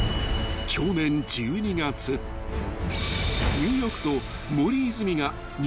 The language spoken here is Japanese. ［ニューヨークと］